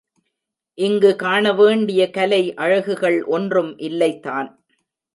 இங்கு காணவேண்டிய கலை அழகுகள் ஒன்றும் இல்லைதான்.